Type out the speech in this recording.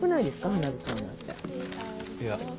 いや。